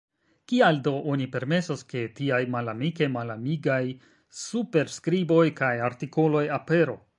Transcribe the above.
Kial do oni permesas, ke tiaj malamike malamigaj superskriboj kaj artikoloj aperu?